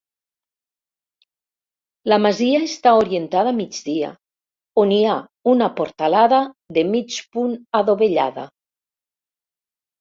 La masia està orientada a migdia, on hi ha una portalada de mig punt adovellada.